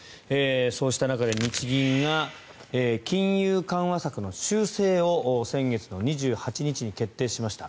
そうした中で日銀が金融緩和策の修正を先月２８日に決定しました。